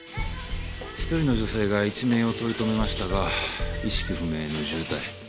１人の女性が一命を取り留めましたが意識不明の重体。